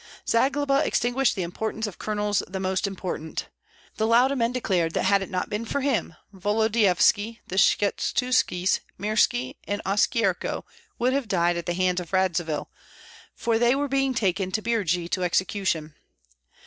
Zagloba extinguished the importance of colonels the most important. The Lauda men declared that had it not been for him, Volodyovski, the Skshetuskis, Mirski, and Oskyerko would have died at the hands of Radzivill, for they were being taken to Birji to execution.